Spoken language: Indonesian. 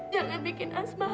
jangan bikin asma khawatir ya